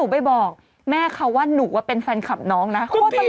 พี่ใกล้ฝัดรึเปล่า